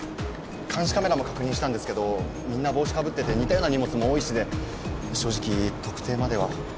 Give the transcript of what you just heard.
監視カメラも確認したんですけどみんな帽子かぶってて似たような荷物も多いしで正直特定までは。